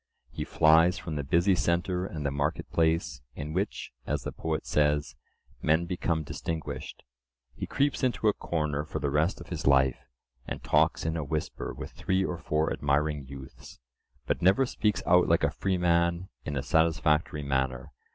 He flies from the busy centre and the market place, in which, as the poet says, men become distinguished; he creeps into a corner for the rest of his life, and talks in a whisper with three or four admiring youths, but never speaks out like a freeman in a satisfactory manner.